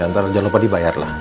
ya ntar jangan lupa dibayar lah ya